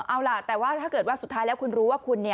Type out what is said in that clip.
เอาล่ะแต่ว่าถ้าเกิดว่าสุดท้ายแล้วคุณรู้ว่าคุณ